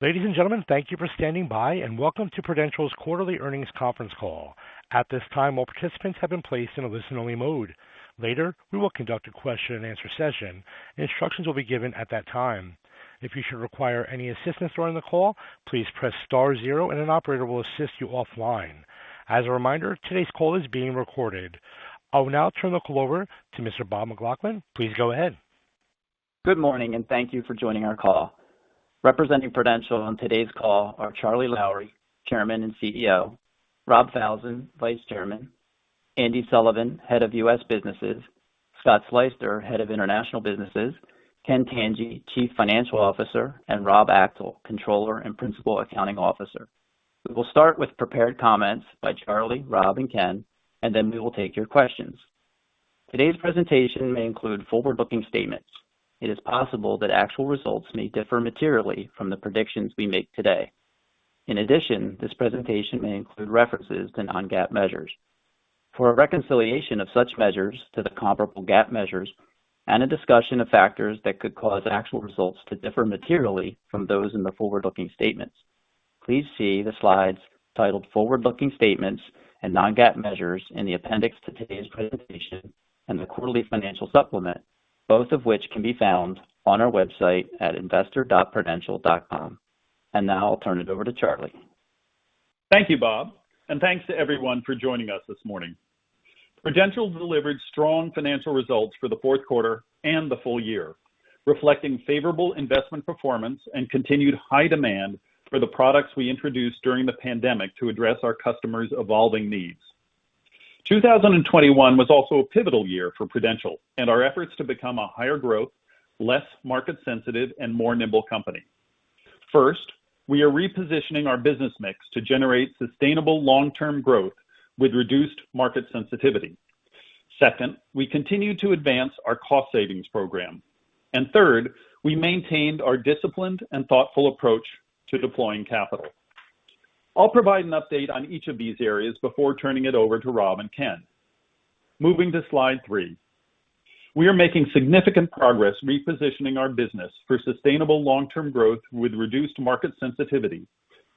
Ladies and gentlemen, thank you for standing by, and welcome to Prudential's Quarterly Earnings Conference Call. At this time, all participants have been placed in a listen-only mode. Later, we will conduct a question-and-answer session. Instructions will be given at that time. If you should require any assistance during the call, please press star zero and an operator will assist you offline. As a reminder, today's call is being recorded. I will now turn the call over to Mr. Bob McLaughlin. Please go ahead. Good morning, and thank you for joining our call. Representing Prudential on today's call are Charlie Lowrey, Chairman and CEO, Rob Falzon, Vice Chairman, Andy Sullivan, Head of U.S. Businesses, Scott Sleyster, Head of International Businesses, Ken Tanji, Chief Financial Officer, and Rob Axel, Controller and Principal Accounting Officer. We will start with prepared comments by Charlie, Rob, and Ken, and then we will take your questions. Today's presentation may include forward-looking statements. It is possible that actual results may differ materially from the predictions we make today. In addition, this presentation may include references to non-GAAP measures. For a reconciliation of such measures to the comparable GAAP measures and a discussion of factors that could cause actual results to differ materially from those in the forward-looking statements, please see the slides titled Forward-Looking Statements and non-GAAP Measures in the appendix to today's presentation and the quarterly financial supplement, both of which can be found on our website at investor.prudential.com. Now I'll turn it over to Charlie. Thank you, Bob, and thanks to everyone for joining us this morning. Prudential delivered strong financial results for the fourth quarter and the full year, reflecting favorable investment performance and continued high demand for the products we introduced during the pandemic to address our customers' evolving needs. 2021 was also a pivotal year for Prudential and our efforts to become a higher growth, less market sensitive, and more nimble company. First, we are repositioning our business mix to generate sustainable long-term growth with reduced market sensitivity. Second, we continue to advance our cost savings program. Third, we maintained our disciplined and thoughtful approach to deploying capital. I'll provide an update on each of these areas before turning it over to Rob and Ken. Moving to slide three. We are making significant progress repositioning our business for sustainable long-term growth with reduced market sensitivity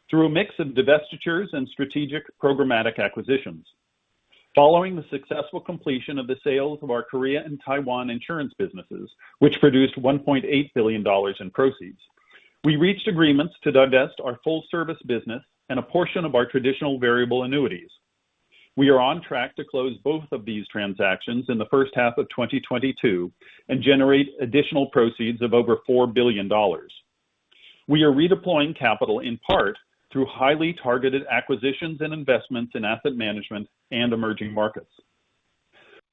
through a mix of divestitures and strategic programmatic acquisitions. Following the successful completion of the sales of our Korea and Taiwan insurance businesses, which produced $1.8 billion in proceeds, we reached agreements to divest our full service business and a portion of our traditional variable annuities. We are on track to close both of these transactions in the first half of 2022 and generate additional proceeds of over $4 billion. We are redeploying capital in part through highly targeted acquisitions and investments in asset management and emerging markets.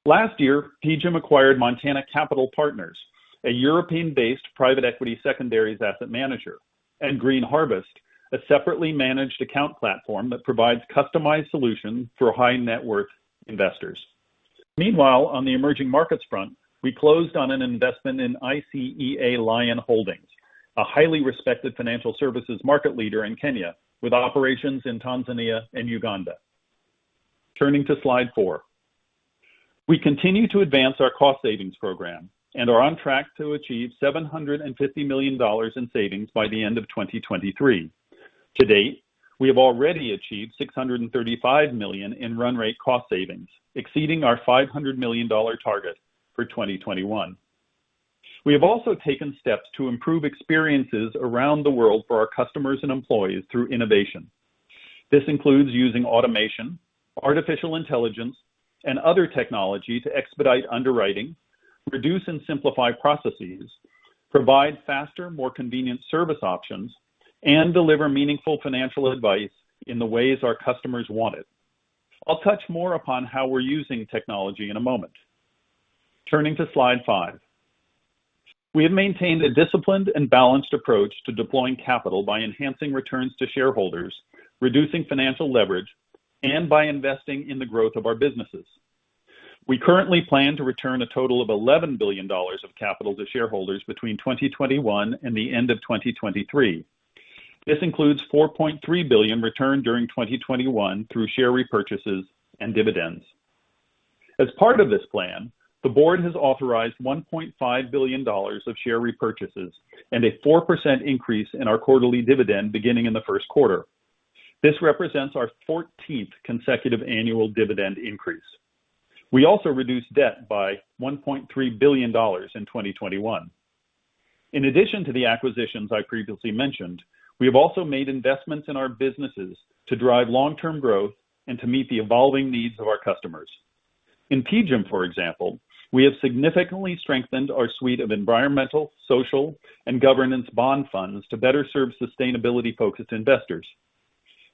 Last year, PGIM acquired Montana Capital Partners, a European-based private equity secondaries asset manager, and Green Harvest, a separately managed account platform that provides customized solutions for high-net-worth investors. Meanwhile, on the emerging markets front, we closed on an investment in ICEA LION Insurance Holdings, a highly respected financial services market leader in Kenya with operations in Tanzania and Uganda. Turning to slide four. We continue to advance our cost savings program and are on track to achieve $750 million in savings by the end of 2023. To date, we have already achieved $635 million in run rate cost savings, exceeding our $500 million target for 2021. We have also taken steps to improve experiences around the world for our customers and employees through innovation. This includes using automation, artificial intelligence, and other technology to expedite underwriting, reduce and simplify processes, provide faster, more convenient service options, and deliver meaningful financial advice in the ways our customers want it. I'll touch more upon how we're using technology in a moment. Turning to slide five. We have maintained a disciplined and balanced approach to deploying capital by enhancing returns to shareholders, reducing financial leverage, and by investing in the growth of our businesses. We currently plan to return a total of $11 billion of capital to shareholders between 2021 and the end of 2023. This includes $4.3 billion returned during 2021 through share repurchases and dividends. As part of this plan, the board has authorized $1.5 billion of share repurchases and a 4% increase in our quarterly dividend beginning in the first quarter. This represents our 14th consecutive annual dividend increase. We also reduced debt by $1.3 billion in 2021. In addition to the acquisitions I previously mentioned, we have also made investments in our businesses to drive long-term growth and to meet the evolving needs of our customers. In PGIM, for example, we have significantly strengthened our suite of environmental, social, and governance bond funds to better serve sustainability-focused investors.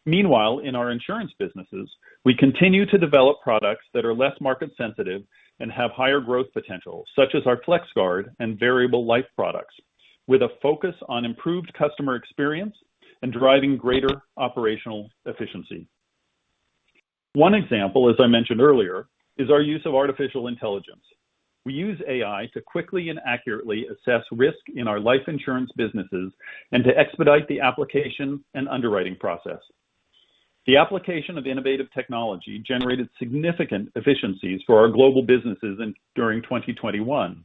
Meanwhile, in our insurance businesses, we continue to develop products that are less market sensitive and have higher growth potential, such as our FlexGuard and variable life products, with a focus on improved customer experience and driving greater operational efficiency. One example, as I mentioned earlier, is our use of artificial intelligence. We use AI to quickly and accurately assess risk in our life insurance businesses and to expedite the application and underwriting process. The application of innovative technology generated significant efficiencies for our global businesses in during 2021,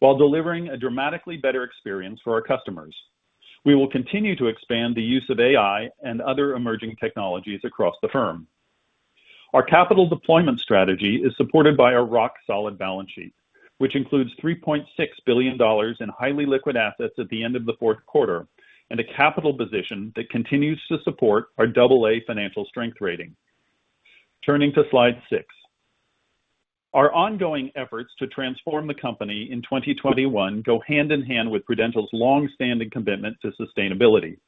while delivering a dramatically better experience for our customers. We will continue to expand the use of AI and other emerging technologies across the firm. Our capital deployment strategy is supported by our rock-solid balance sheet, which includes $3.6 billion in highly liquid assets at the end of the fourth quarter, and a capital position that continues to support our AA financial strength rating. Turning to slide six. Our ongoing efforts to transform the company in 2021 go hand in hand with Prudential's long-standing commitment to sustainability.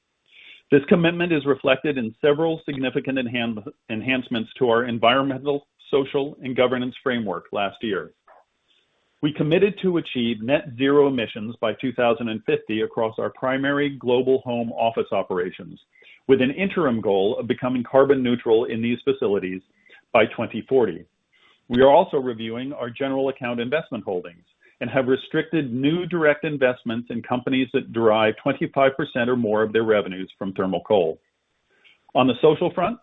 This commitment is reflected in several significant enhancements to our environmental, social, and governance framework last year. We committed to achieve net zero emissions by 2050 across our primary global home office operations, with an interim goal of becoming carbon neutral in these facilities by 2040. We are also reviewing our general account investment holdings and have restricted new direct investments in companies that derive 25% or more of their revenues from thermal coal. On the social front,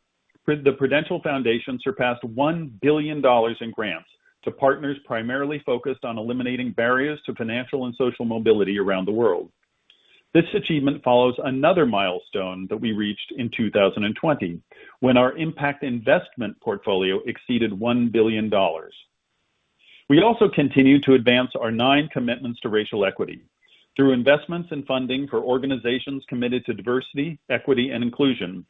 the Prudential Foundation surpassed $1 billion in grants to partners primarily focused on eliminating barriers to financial and social mobility around the world. This achievement follows another milestone that we reached in 2020 when our impact investment portfolio exceeded $1 billion. We also continue to advance our nine commitments to racial equity through investments in funding for organizations committed to diversity, equity, and inclusion,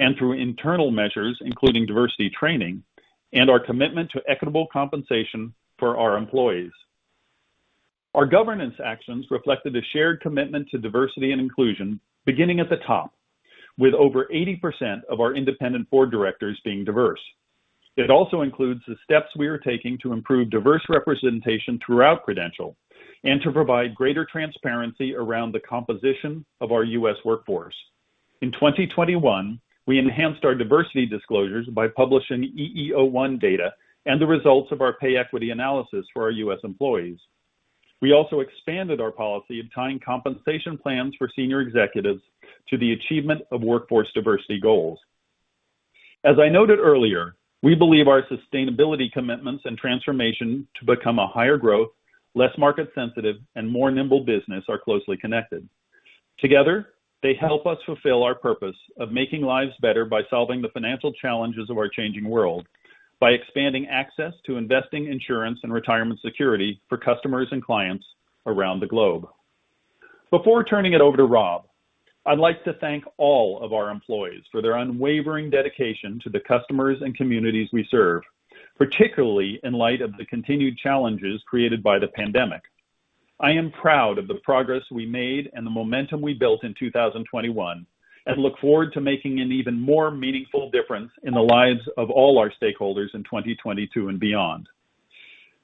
and through internal measures, including diversity training and our commitment to equitable compensation for our employees. Our governance actions reflected a shared commitment to diversity and inclusion, beginning at the top with over 80% of our independent board directors being diverse. It also includes the steps we are taking to improve diverse representation throughout Prudential and to provide greater transparency around the composition of our U.S. workforce. In 2021, we enhanced our diversity disclosures by publishing EEO-1 data and the results of our pay equity analysis for our U.S. employees. We also expanded our policy of tying compensation plans for senior executives to the achievement of workforce diversity goals. As I noted earlier, we believe our sustainability commitments and transformation to become a higher growth, less market sensitive, and more nimble business are closely connected. Together, they help us fulfill our purpose of making lives better by solving the financial challenges of our changing world, by expanding access to investing insurance and retirement security for customers and clients around the globe. Before turning it over to Rob, I'd like to thank all of our employees for their unwavering dedication to the customers and communities we serve, particularly in light of the continued challenges created by the pandemic. I am proud of the progress we made and the momentum we built in 2021, and look forward to making an even more meaningful difference in the lives of all our stakeholders in 2022 and beyond.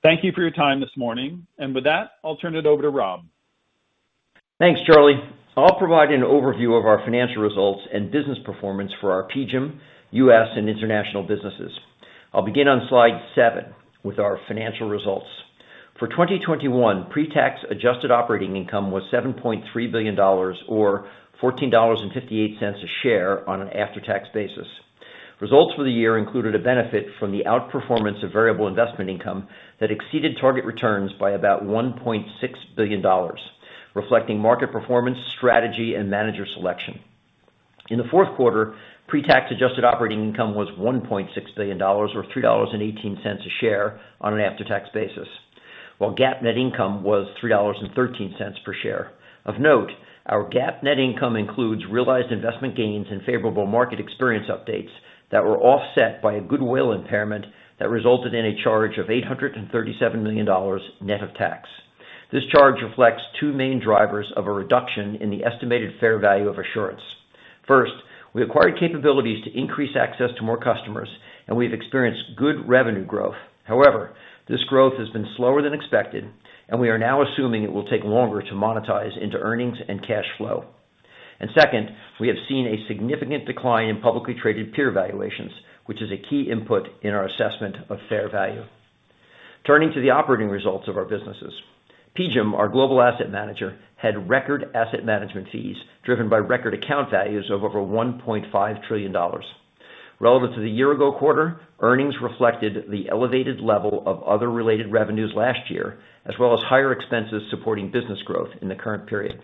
Thank you for your time this morning. With that, I'll turn it over to Rob. Thanks, Charlie. I'll provide an overview of our financial results and business performance for our PGIM, US, and international businesses. I'll begin on slide seven with our financial results. For 2021, pre-tax adjusted operating income was $7.3 billion or $14.58 a share on an after-tax basis. Results for the year included a benefit from the outperformance of variable investment income that exceeded target returns by about $1.6 billion, reflecting market performance, strategy, and manager selection. In the fourth quarter, pre-tax adjusted operating income was $1.6 billion or $3.18 a share on an after-tax basis, while GAAP net income was $3.13 per share. Of note, our GAAP net income includes realized investment gains and favorable market experience updates that were offset by a goodwill impairment that resulted in a charge of $837 million net of tax. This charge reflects two main drivers of a reduction in the estimated fair value of Assurance. First, we acquired capabilities to increase access to more customers, and we've experienced good revenue growth. However, this growth has been slower than expected, and we are now assuming it will take longer to monetize into earnings and cash flow. Second, we have seen a significant decline in publicly traded peer valuations, which is a key input in our assessment of fair value. Turning to the operating results of our businesses. PGIM, our global asset manager, had record asset management fees driven by record account values of over $1.5 trillion. Relevant to the year-ago quarter, earnings reflected the elevated level of other related revenues last year, as well as higher expenses supporting business growth in the current period.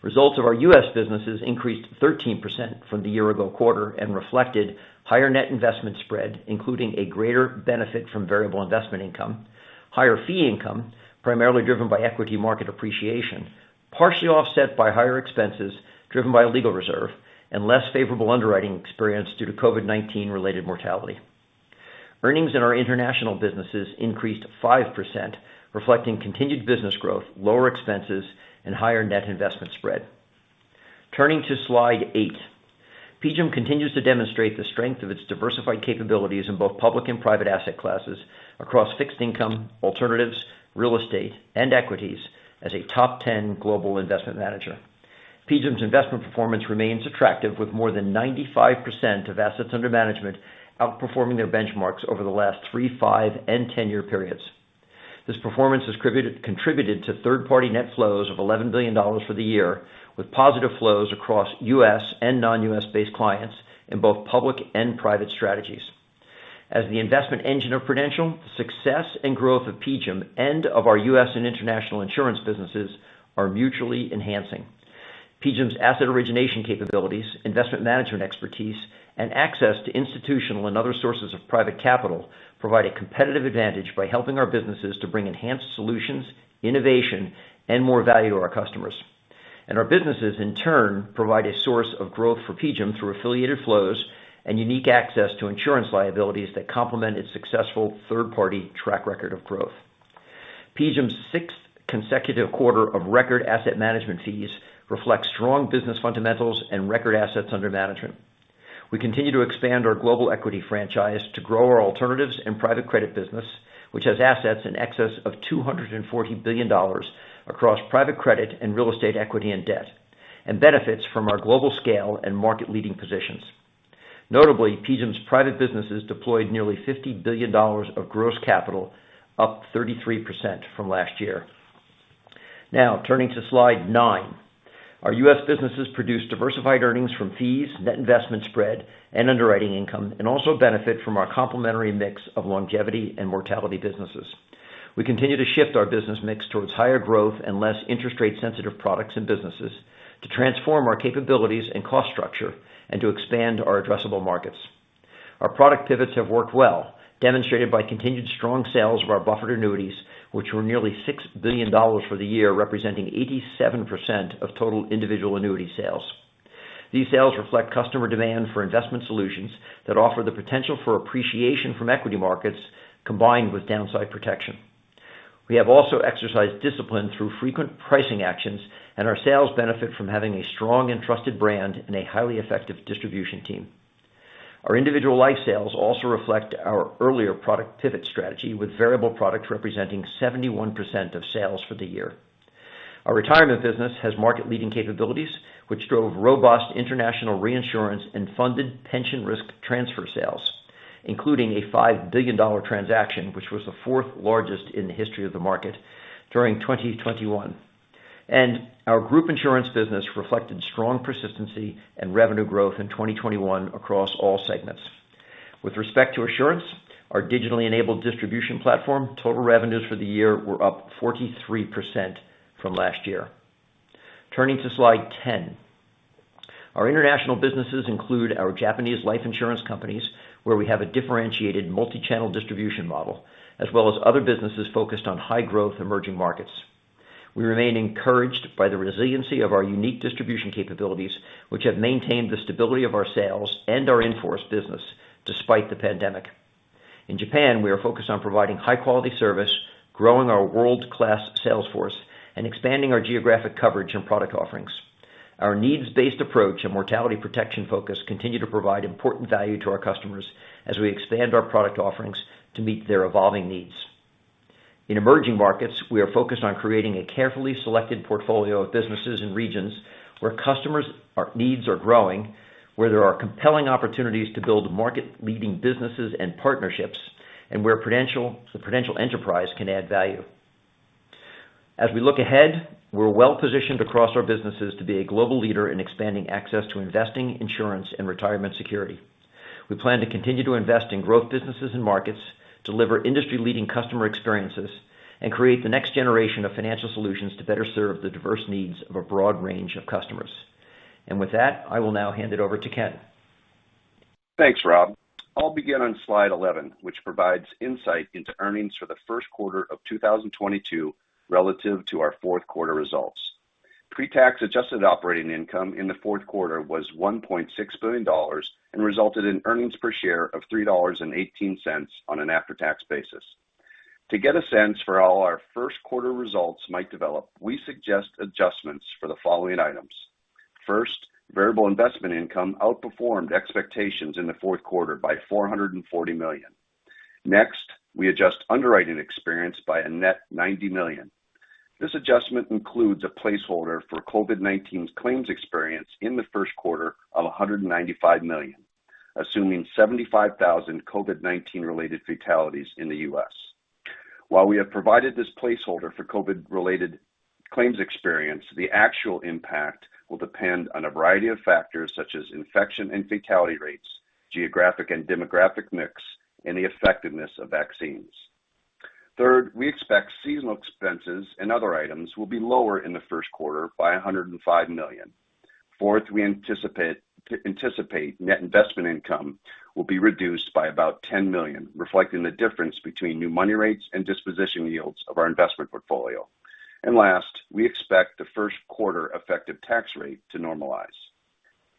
Results of our U.S. businesses increased 13% from the year-ago quarter and reflected higher net investment spread, including a greater benefit from variable investment income, higher fee income, primarily driven by equity market appreciation, partially offset by higher expenses driven by a legal reserve and less favorable underwriting experience due to COVID-19 related mortality. Earnings in our international businesses increased 5%, reflecting continued business growth, lower expenses, and higher net investment spread. Turning to slide eight. PGIM continues to demonstrate the strength of its diversified capabilities in both public and private asset classes across fixed income, alternatives, real estate, and equities as a top 10 global investment manager. PGIM's investment performance remains attractive, with more than 95% of assets under management outperforming their benchmarks over the last three, five, and 10-year periods. This performance has contributed to third-party net flows of $11 billion for the year, with positive flows across U.S. and non-U.S. based clients in both public and private strategies. As the investment engine of Prudential, success and growth of PGIM and of our U.S. and international insurance businesses are mutually enhancing. PGIM's asset origination capabilities, investment management expertise, and access to institutional and other sources of private capital provide a competitive advantage by helping our businesses to bring enhanced solutions, innovation, and more value to our customers. Our businesses, in turn, provide a source of growth for PGIM through affiliated flows and unique access to insurance liabilities that complement its successful third-party track record of growth. PGIM's sixth consecutive quarter of record asset management fees reflects strong business fundamentals and record assets under management. We continue to expand our global equity franchise to grow our alternatives and private credit business, which has assets in excess of $240 billion across private credit and real estate equity and debt, and benefits from our global scale and market-leading positions. Notably, PGIM's private businesses deployed nearly $50 billion of gross capital, up 33% from last year. Now turning to slide nine. Our U.S. businesses produce diversified earnings from fees, net investment spread, and underwriting income, and also benefit from our complementary mix of longevity and mortality businesses. We continue to shift our business mix towards higher growth and less interest rate-sensitive products and businesses to transform our capabilities and cost structure and to expand our addressable markets. Our product pivots have worked well, demonstrated by continued strong sales of our buffered annuities, which were nearly $6 billion for the year, representing 87% of total individual annuity sales. These sales reflect customer demand for investment solutions that offer the potential for appreciation from equity markets combined with downside protection. We have also exercised discipline through frequent pricing actions, and our sales benefit from having a strong and trusted brand and a highly effective distribution team. Our individual life sales also reflect our earlier product pivot strategy, with variable products representing 71% of sales for the year. Our retirement business has market-leading capabilities, which drove robust international reinsurance and funded pension risk transfer sales, including a $5 billion transaction, which was the fourth largest in the history of the market during 2021. Our group insurance business reflected strong persistency and revenue growth in 2021 across all segments. With respect to Assurance, our digitally enabled distribution platform, total revenues for the year were up 43% from last year. Turning to slide 10. Our international businesses include our Japanese life insurance companies, where we have a differentiated multi-channel distribution model, as well as other businesses focused on high-growth emerging markets. We remain encouraged by the resiliency of our unique distribution capabilities, which have maintained the stability of our sales and our in-force business despite the pandemic. In Japan, we are focused on providing high-quality service, growing our world-class sales force, and expanding our geographic coverage and product offerings. Our needs-based approach and mortality protection focus continue to provide important value to our customers as we expand our product offerings to meet their evolving needs. In emerging markets, we are focused on creating a carefully selected portfolio of businesses and regions where needs are growing, where there are compelling opportunities to build market-leading businesses and partnerships, and where Prudential, the Prudential enterprise can add value. As we look ahead, we're well-positioned across our businesses to be a global leader in expanding access to investing, insurance, and retirement security. We plan to continue to invest in growth businesses and markets, deliver industry-leading customer experiences, and create the next generation of financial solutions to better serve the diverse needs of a broad range of customers. With that, I will now hand it over to Ken. Thanks, Rob. I'll begin on slide 11, which provides insight into earnings for the first quarter of 2022 relative to our fourth quarter results. Pre-tax adjusted operating income in the fourth quarter was $1.6 billion and resulted in earnings per share of $3.18 on an after-tax basis. To get a sense for how our first quarter results might develop, we suggest adjustments for the following items. First, variable investment income outperformed expectations in the fourth quarter by $440 million. Next, we adjust underwriting experience by a net $90 million. This adjustment includes a placeholder for COVID-19's claims experience in the first quarter of $195 million, assuming 75,000 COVID-19 related fatalities in the U.S. While we have provided this placeholder for COVID related claims experience, the actual impact will depend on a variety of factors such as infection and fatality rates, geographic and demographic mix, and the effectiveness of vaccines. Third, we expect seasonal expenses and other items will be lower in the first quarter by $105 million. Fourth, we anticipate net investment income will be reduced by about $10 million, reflecting the difference between new money rates and disposition yields of our investment portfolio. Last, we expect the first quarter effective tax rate to normalize.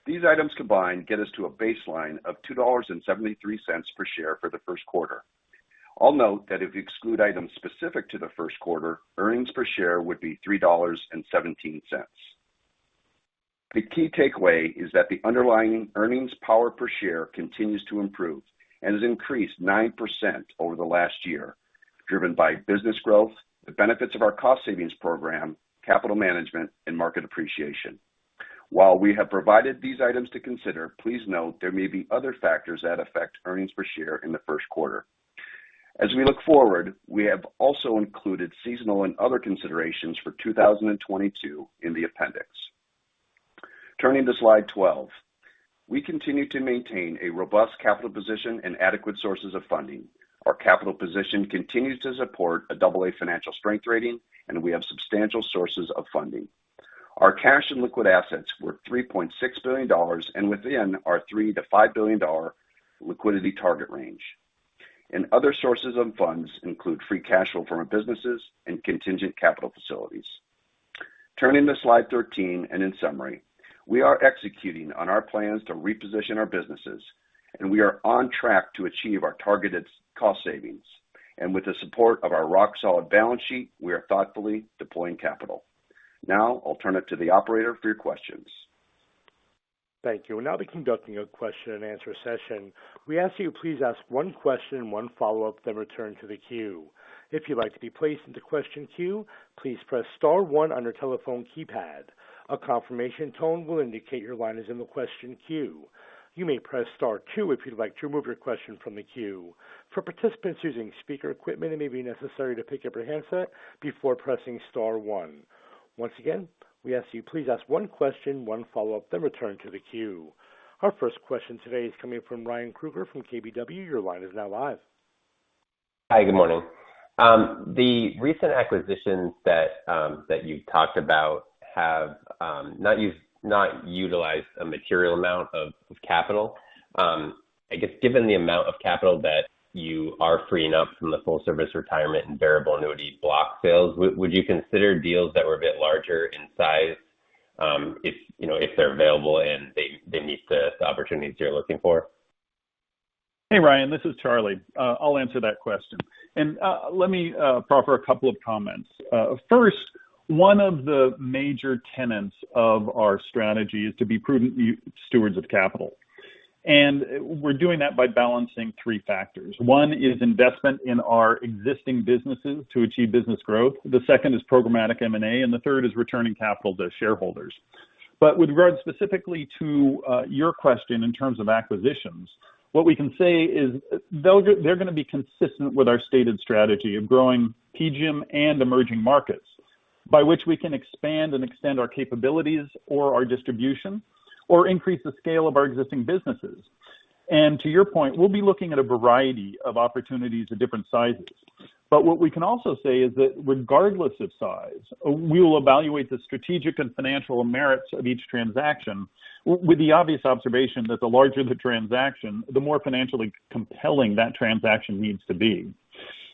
These items combined get us to a baseline of $2.73 per share for the first quarter. I'll note that if you exclude items specific to the first quarter, earnings per share would be $3.17. The key takeaway is that the underlying earnings power per share continues to improve and has increased 9% over the last year, driven by business growth, the benefits of our cost savings program, capital management, and market appreciation. While we have provided these items to consider, please note there may be other factors that affect earnings per share in the first quarter. As we look forward, we have also included seasonal and other considerations for 2022 in the appendix. Turning to slide 12. We continue to maintain a robust capital position and adequate sources of funding. Our capital position continues to support a AA financial strength rating, and we have substantial sources of funding. Our cash and liquid assets were $3.6 billion and within our $3-$5 billion liquidity target range. Other sources of funds include free cash flow from our businesses and contingent capital facilities. Turning to slide 13 and in summary. We are executing on our plans to reposition our businesses, and we are on track to achieve our targeted cost savings. With the support of our rock-solid balance sheet, we are thoughtfully deploying capital. Now I'll turn it to the operator for your questions. Thank you. We'll now be conducting a question-and-answer session. We ask you please ask one question, one follow-up, then return to the queue. If you'd like to be placed into question queue, please press star one on your telephone keypad. A confirmation tone will indicate your line is in the question queue. You may press star two if you'd like to remove your question from the queue. For participants using speaker equipment, it may be necessary to pick up your handset before pressing star one. Once again, we ask you please ask one question, one follow-up, then return to the queue. Our first question today is coming from Ryan Krueger from KBW. Your line is now live. Hi, good morning. The recent acquisitions that you talked about have not utilized a material amount of capital. I guess given the amount of capital that you are freeing up from the full service retirement and variable annuity block sales, would you consider deals that were a bit larger in size, if you know, if they're available and they meet the opportunities you're looking for? Hey, Ryan, this is Charlie. I'll answer that question. Let me proffer a couple of comments. First, one of the major tenets of our strategy is to be prudent stewards of capital. We're doing that by balancing three factors. One is investment in our existing businesses to achieve business growth. The second is programmatic M&A, and the third is returning capital to shareholders. With regard specifically to your question in terms of acquisitions, what we can say is they're gonna be consistent with our stated strategy of growing PGIM and emerging markets, by which we can expand and extend our capabilities or our distribution or increase the scale of our existing businesses. To your point, we'll be looking at a variety of opportunities of different sizes. What we can also say is that regardless of size, we will evaluate the strategic and financial merits of each transaction with the obvious observation that the larger the transaction, the more financially compelling that transaction needs to be.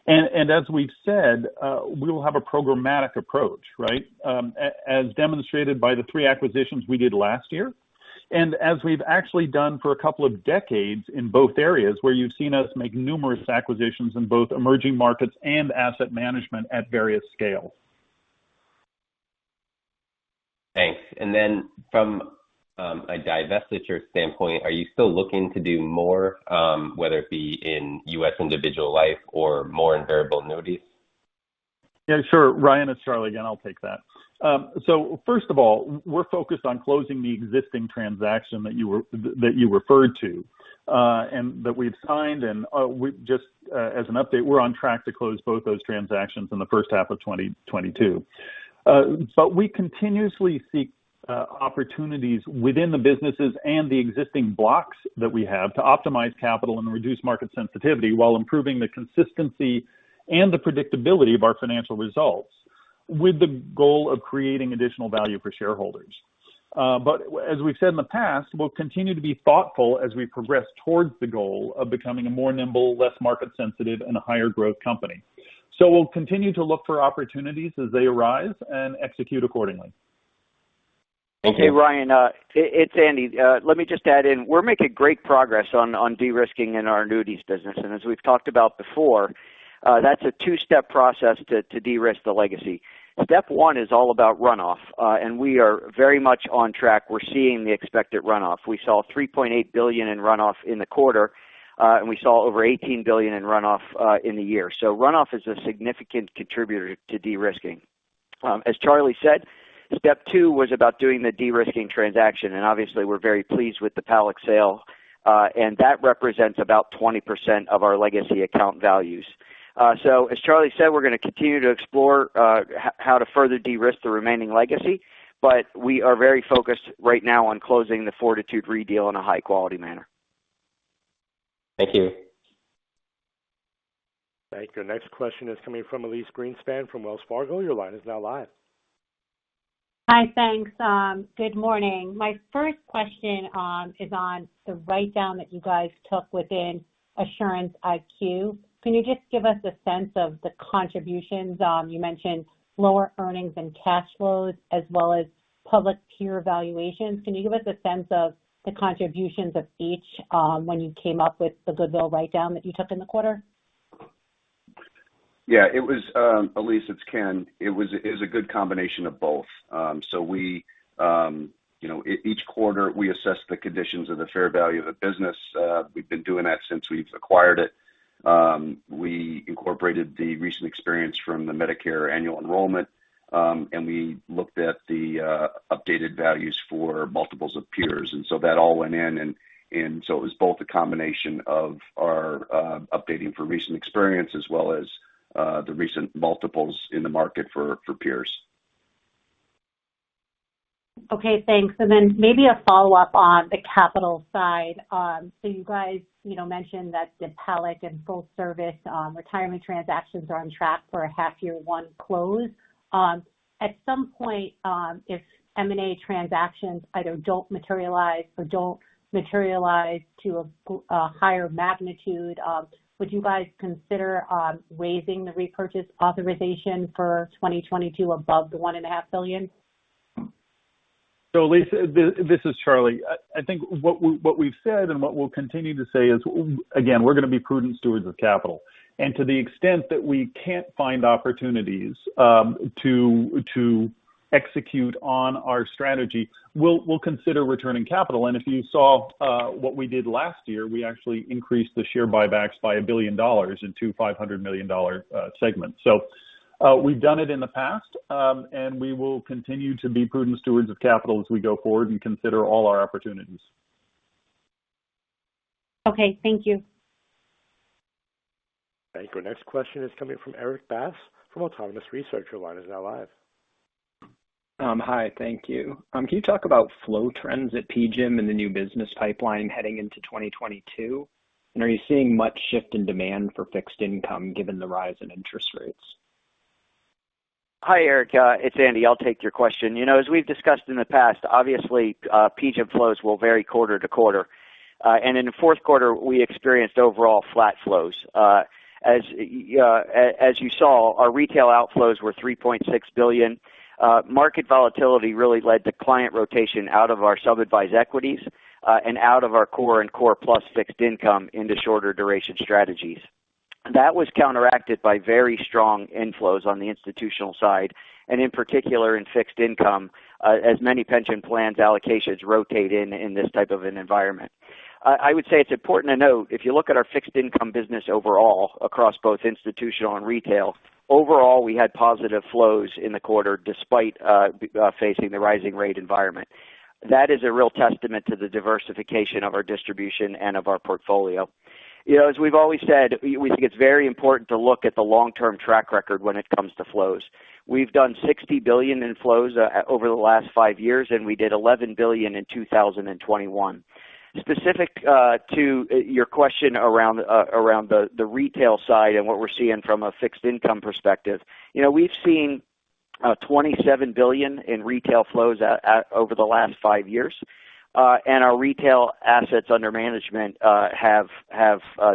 As we've said, we will have a programmatic approach, right? As demonstrated by the three acquisitions we did last year. As we've actually done for a couple of decades in both areas where you've seen us make numerous acquisitions in both emerging markets and asset management at various scales. Thanks. From a divestiture standpoint, are you still looking to do more, whether it be in U.S. individual life or more in variable annuities? Yeah, sure. Ryan, it's Charlie again. I'll take that. First of all, we're focused on closing the existing transaction that you referred to, and that we've signed, and we just, as an update, we're on track to close both those transactions in the first half of 2022. We continuously seek opportunities within the businesses and the existing blocks that we have to optimize capital and reduce market sensitivity while improving the consistency and the predictability of our financial results with the goal of creating additional value for shareholders. As we've said in the past, we'll continue to be thoughtful as we progress towards the goal of becoming a more nimble, less market sensitive, and a higher growth company. We'll continue to look for opportunities as they arise and execute accordingly. Thank you. Okay, Ryan. It's Andy. Let me just add in. We're making great progress on de-risking in our annuities business. As we've talked about before, that's a two-step process to de-risk the legacy. Step one is all about runoff, and we are very much on track. We're seeing the expected runoff. We saw $3.8 billion in runoff in the quarter, and we saw over $18 billion in runoff in the year. Runoff is a significant contributor to de-risking. As Charlie said, step two was about doing the de-risking transaction, and obviously, we're very pleased with the PALAC sale, and that represents about 20% of our legacy account values. As Charlie said, we're gonna continue to explore how to further de-risk the remaining legacy, but we are very focused right now on closing the Fortitude Re deal in a high-quality manner. Thank you. Thank you. Next question is coming from Elyse Greenspan from Wells Fargo. Your line is now live. Hi. Thanks. Good morning. My first question is on the write-down that you guys took within Assurance IQ. Can you just give us a sense of the contributions? You mentioned lower earnings and cash flows as well as public peer valuations. Can you give us a sense of the contributions of each, when you came up with the goodwill write-down that you took in the quarter? Yeah, it was, Elyse, it's Ken. It is a good combination of both. We, you know, each quarter, we assess the conditions of the fair value of the business. We've been doing that since we've acquired it. We incorporated the recent experience from the Medicare annual enrollment, and we looked at the updated values for multiples of peers. That all went in. It was both a combination of our updating for recent experience as well as the recent multiples in the market for peers. Okay, thanks. Maybe a follow-up on the capital side. You guys, you know, mentioned that the PALAC and Full-Service Retirement transactions are on track for an H1 close. At some point, if M&A transactions either don't materialize or don't materialize to a higher magnitude, would you guys consider raising the repurchase authorization for 2022 above the $1.5 billion? Lisa, this is Charlie. I think what we've said and what we'll continue to say is, again, we're gonna be prudent stewards of capital. To the extent that we can't find opportunities to execute on our strategy, we'll consider returning capital. If you saw what we did last year, we actually increased the share buybacks by $1 billion in two $500 million segments. We've done it in the past, and we will continue to be prudent stewards of capital as we go forward and consider all our opportunities. Okay, thank you. Thank you. Next question is coming from Erik Bass from Autonomous Research. Your line is now live. Hi, thank you. Can you talk about flow trends at PGIM and the new business pipeline heading into 2022? Are you seeing much shift in demand for fixed income given the rise in interest rates? Hi, Erik, it's Andy. I'll take your question. You know, as we've discussed in the past, obviously, PGIM flows will vary quarter to quarter. In the fourth quarter, we experienced overall flat flows. As you saw, our retail outflows were $3.6 billion. Market volatility really led to client rotation out of our sub-advised equities and out of our core and core plus fixed income into shorter duration strategies. That was counteracted by very strong inflows on the institutional side, and in particular in fixed income, as many pension plans allocations rotate in in this type of an environment. I would say it's important to note, if you look at our fixed income business overall across both institutional and retail, overall, we had positive flows in the quarter despite facing the rising rate environment. That is a real testament to the diversification of our distribution and of our portfolio. You know, as we've always said, we think it's very important to look at the long-term track record when it comes to flows. We've done $60 billion in flows over the last five years, and we did $11 billion in 2021. Specific to your question around the retail side and what we're seeing from a fixed income perspective, you know, we've seen $27 billion in retail flows over the last five years, and our retail assets under management have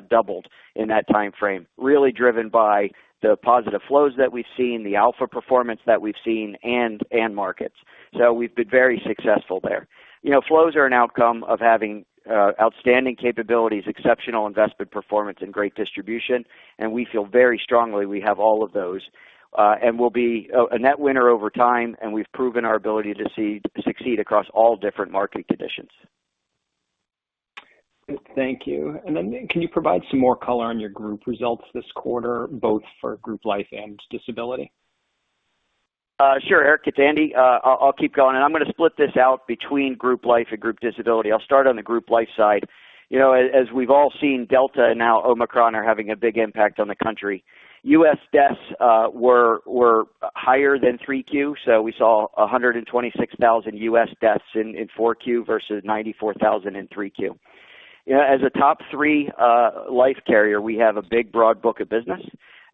doubled in that timeframe, really driven by the positive flows that we've seen, the alpha performance that we've seen and markets. So we've been very successful there. You know, flows are an outcome of having outstanding capabilities, exceptional investment performance, and great distribution, and we feel very strongly we have all of those, and we'll be a net winner over time, and we've proven our ability to succeed across all different market conditions. Thank you. Can you provide some more color on your group results this quarter, both for group life and disability? Sure, Erik, it's Andy. I'll keep going, and I'm going to split this out between group life and group disability. I'll start on the group life side. You know, as we've all seen, Delta and now Omicron are having a big impact on the country. U.S. deaths were higher than 3Q. We saw 126,000 U.S. deaths in 4Q vs 94,000 in 3Q. You know, as a top three life carrier, we have a big, broad book of business.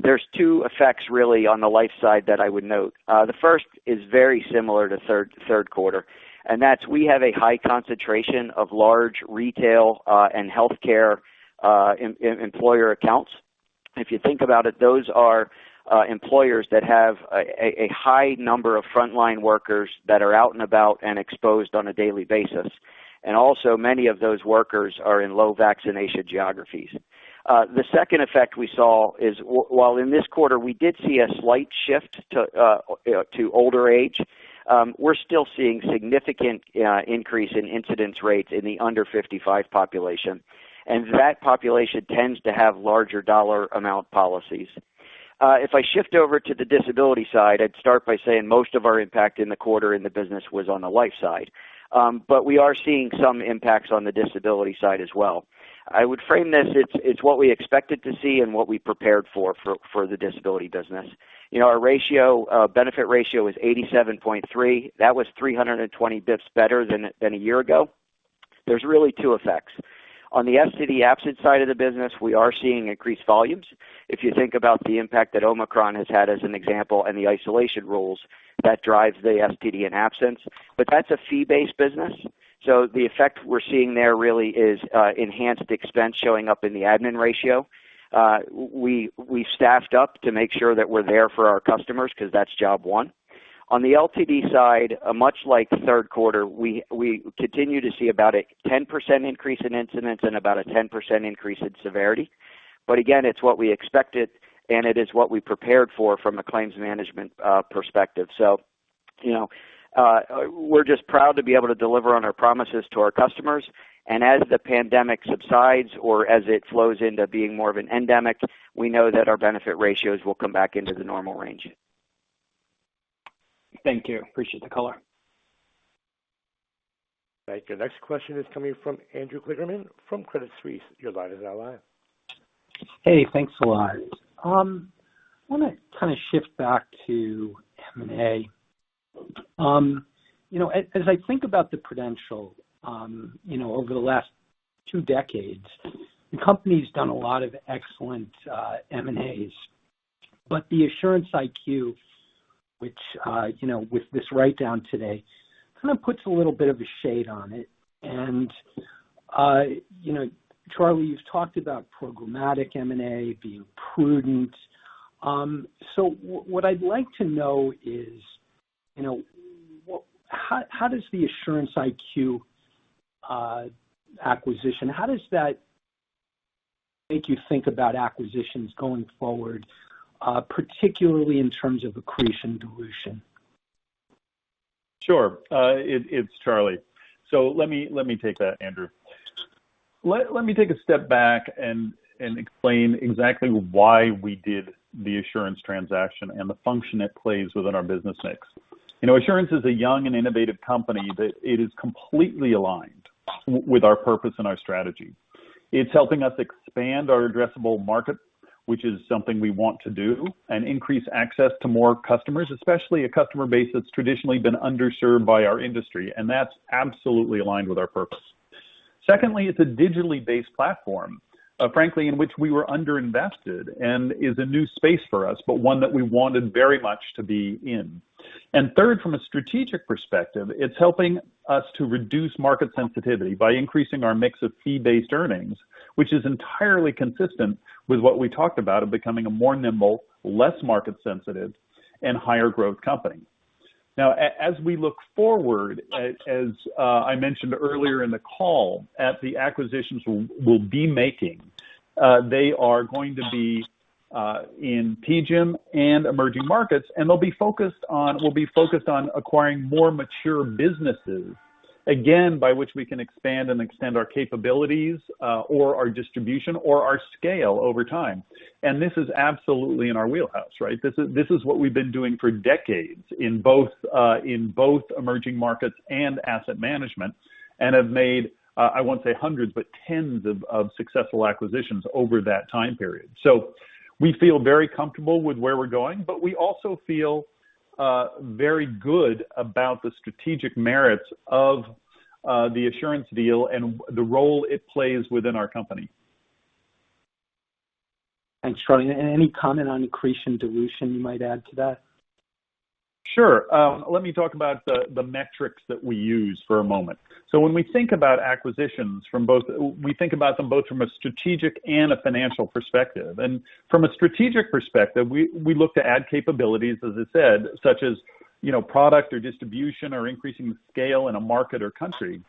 There are two effects really on the life side that I would note. The first is very similar to third quarter, and that's that we have a high concentration of large retail and healthcare employer accounts. If you think about it, those are employers that have a high number of frontline workers that are out and about and exposed on a daily basis. Also many of those workers are in low vaccination geographies. The second effect we saw is while in this quarter, we did see a slight shift to older age, we're still seeing significant increase in incidence rates in the under-55 population, and that population tends to have larger dollar amount policies. If I shift over to the disability side, I'd start by saying most of our impact in the quarter in the business was on the life side. We are seeing some impacts on the disability side as well. I would frame this. It's what we expected to see and what we prepared for for the disability business. You know, our benefit ratio is 87.3%. That was 320 basis points better than a year ago. There's really two effects. On the STD absence side of the business, we are seeing increased volumes. If you think about the impact that Omicron has had as an example and the isolation rules, that drives the STD and absence. But that's a fee-based business, so the effect we're seeing there really is enhanced expense showing up in the admin ratio. We staffed up to make sure that we're there for our customers because that's job one. On the LTD side, much like third quarter, we continue to see about a 10% increase in incidents and about a 10% increase in severity. Again, it's what we expected, and it is what we prepared for from a claims management perspective. You know, we're just proud to be able to deliver on our promises to our customers. As the pandemic subsides or as it flows into being more of an endemic, we know that our benefit ratios will come back into the normal range. Thank you. Appreciate the color. Thank you. Next question is coming from Andrew Kligerman from Credit Suisse. Your line is now live. Hey, thanks a lot. I wanna kinda shift back to M&A. You know, as I think about the Prudential, you know, over the last two decades, the company's done a lot of excellent M&As. The Assurance IQ, which you know with this write-down today, kind of puts a little bit of a shade on it. You know, Charlie, you've talked about programmatic M&A being prudent. What I'd like to know is, you know, how does the Assurance IQ acquisition make you think about acquisitions going forward, particularly in terms of accretion dilution? Sure. It's Charlie. Let me take that, Andrew. Let me take a step back and explain exactly why we did the Assurance transaction and the function it plays within our business mix. You know, Assurance is a young and innovative company that it is completely aligned with our purpose and our strategy. It's helping us expand our addressable market, which is something we want to do, and increase access to more customers, especially a customer base that's traditionally been underserved by our industry. That's absolutely aligned with our purpose. Secondly, it's a digitally based platform, frankly, in which we were underinvested and is a new space for us, but one that we wanted very much to be in. Third, from a strategic perspective, it's helping us to reduce market sensitivity by increasing our mix of fee-based earnings, which is entirely consistent with what we talked about of becoming a more nimble, less market sensitive, and higher growth company. Now, as we look forward, as I mentioned earlier in the call, to the acquisitions we'll be making, they are going to be in PGIM and emerging markets, and they'll be focused on acquiring more mature businesses, again, by which we can expand and extend our capabilities, or our distribution or our scale over time. This is absolutely in our wheelhouse, right? This is what we've been doing for decades in both emerging markets and asset management and have made, I won't say hundreds, but tens of successful acquisitions over that time period. We feel very comfortable with where we're going, but we also feel very good about the strategic merits of the Assurance deal and the role it plays within our company. Thanks, Charlie. Any comment on accretion dilution you might add to that? Sure. Let me talk about the metrics that we use for a moment. When we think about acquisitions, we think about them both from a strategic and a financial perspective. From a strategic perspective, we look to add capabilities, as I said, such as, you know, product or distribution or increasing scale in a market or country.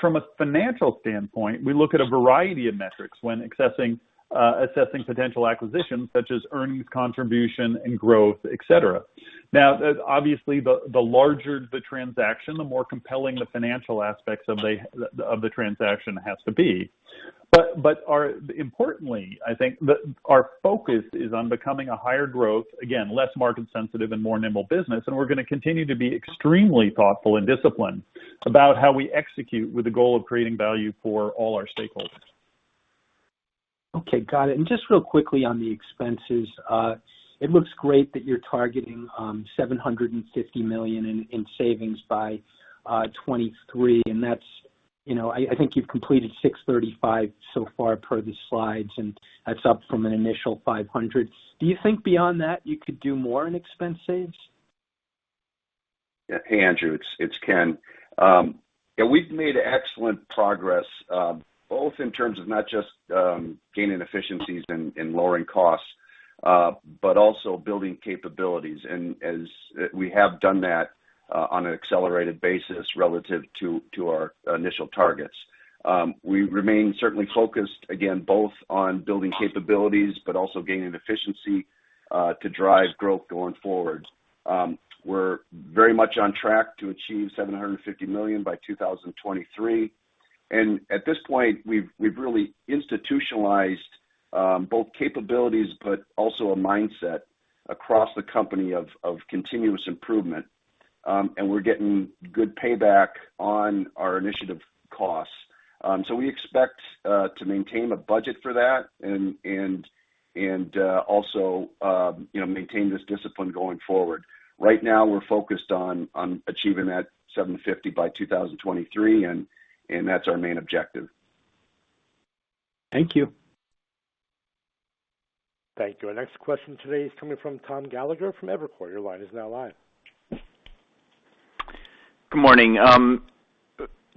From a financial standpoint, we look at a variety of metrics when assessing potential acquisitions such as earnings contribution and growth, et cetera. Now, obviously, the larger the transaction, the more compelling the financial aspects of the transaction has to be. Importantly, I think our focus is on becoming a higher growth, again, less market sensitive and more nimble business. We're gonna continue to be extremely thoughtful and disciplined about how we execute with the goal of creating value for all our stakeholders. Okay, got it. Just real quickly on the expenses. It looks great that you're targeting $750 million in savings by 2023, and that's, you know, I think you've completed $635 million so far per the slides, and that's up from an initial $500 million. Do you think beyond that you could do more in expense saves? Yeah. Hey, Andrew, it's Ken. Yeah, we've made excellent progress both in terms of not just gaining efficiencies and lowering costs but also building capabilities. As we have done that on an accelerated basis relative to our initial targets. We remain certainly focused, again, both on building capabilities but also gaining efficiency to drive growth going forward. We're very much on track to achieve $750 million by 2023. At this point, we've really institutionalized both capabilities but also a mindset across the company of continuous improvement. We're getting good payback on our initiative costs. We expect to maintain a budget for that and also, you know, maintain this discipline going forward. Right now, we're focused on achieving that $750 by 2023, and that's our main objective. Thank you. Thank you. Our next question today is coming from Tom Gallagher from Evercore. Your line is now live. Good morning.